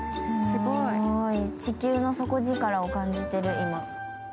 地球の底力を感じてる、今。